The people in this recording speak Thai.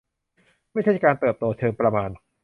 ไม่ใช่การเติบโตเชิงปริมาณ